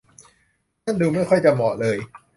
นั่นดูไม่ค่อยจะเหมาะเลย